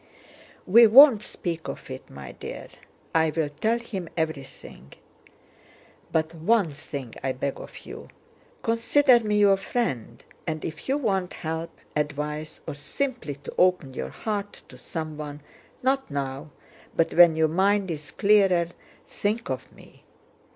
"We won't speak of it, my dear—I'll tell him everything; but one thing I beg of you, consider me your friend and if you want help, advice, or simply to open your heart to someone—not now, but when your mind is clearer think of me!"